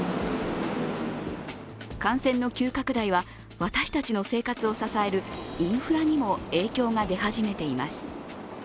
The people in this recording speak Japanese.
感染の急拡大は私たちの生活を支えるインフラにも影響が出始めています。